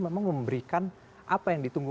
memang memberikan apa yang ditunggu